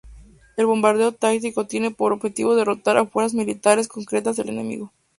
El bombardeo táctico tiene por objetivo derrotar a fuerzas militares concretas del enemigo.